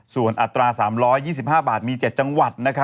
ส่วนอัตรา๓๒๕บาทมี๗จังหวัด